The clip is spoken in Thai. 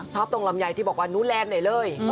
ชอบตรงลำไยที่บอกว่านู้นแลนด์เลย